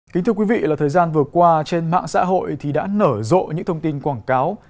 kính thưa quý vị thời gian vừa qua trên mạng xã hội thì đã nở rộ những thông tin quảng cáo